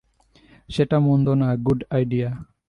সেটা মন্দ না, গুড আইডিয়া।